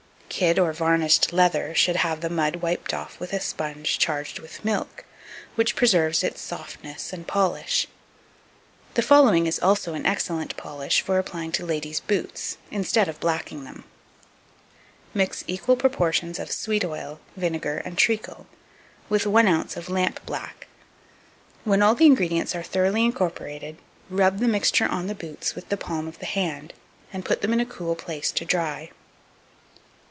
Kid or varnished leather should have the mud wiped off with a sponge charged with milk, which preserves its softness and polish. The following is also an excellent polish for applying to ladies' boots, instead of blacking them: Mix equal proportions of sweet oil, vinegar, and treacle, with 1 oz. of lamp black. When all the ingredients are thoroughly incorporated, rub the mixture on the boots with the palm of the hand, and put them in a cool place to dry.